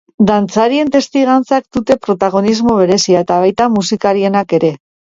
Dantzarien testigantzak dute protagonismo berezia eta baita musikarienak ere.